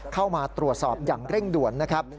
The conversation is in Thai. เข้ามาตรวจสอบอย่างเร่งด่วนนะครับ